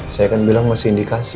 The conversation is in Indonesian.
saya kan bilang masih indikasi